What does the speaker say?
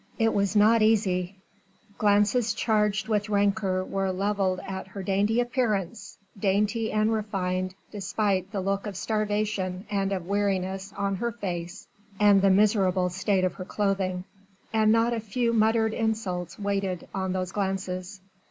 It was not easy! Glances charged with rancour were levelled at her dainty appearance dainty and refined despite the look of starvation and of weariness on her face and the miserable state of her clothing and not a few muttered insults waited on those glances.